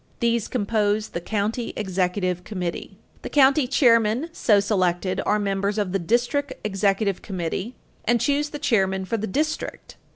These compose the county executive committee. The county chairmen so selected are members of the district executive committee and choose the chairman for the district.